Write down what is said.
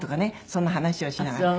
そんな話をしながら。